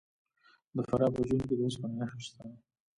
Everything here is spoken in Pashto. د فراه په جوین کې د وسپنې نښې شته.